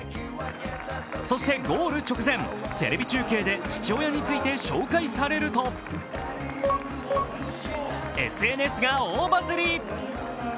そしてゴール直前、テレビ中継で父親について紹介されるとＳＮＳが大バズリ。